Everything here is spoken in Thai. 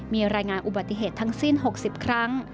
มีรายงานอุบัติเหตุทั้งสิ้น๖๐ครั้ง